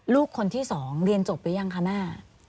ลูกคนที่สองเรียนจบไปยังคะแม่